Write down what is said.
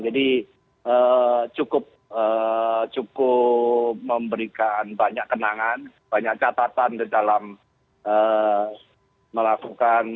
jadi cukup memberikan banyak kenangan banyak catatan dalam melakukan